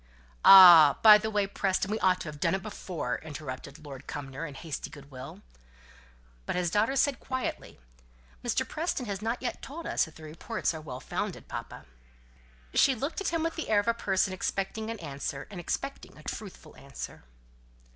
"Ah! by the way, Preston, we ought to have done it before," interrupted Lord Cumnor, in hasty goodwill. But his daughter said quietly, "Mr. Preston has not yet told us if the reports are well founded, papa." She looked at him with the air of a person expecting an answer, and expecting a truthful answer.